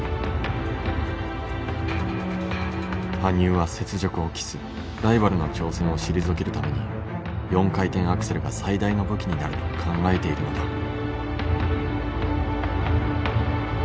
羽生は雪辱を期すライバルの挑戦を退けるために４回転アクセルが最大の武器になると考えているのだ。